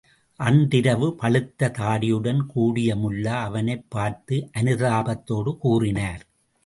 அன்று இரவு பழுத்த தாடியுடன் கூடிய முல்லா அவனைப் பார்த்து அனுதாபத்தோடு கூறினார்.